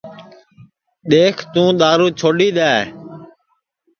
دؔیکھ توں دؔارو چھوڈؔی دؔے